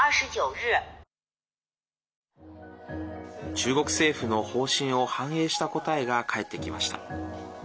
中国政府の方針を反映した答えが返ってきました。